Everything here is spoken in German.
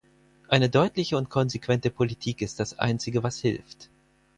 Eine deutliche und konsequente Politik ist das Einzige, was hilft.